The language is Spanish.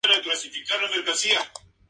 Carmen le responde con otro solo seductor.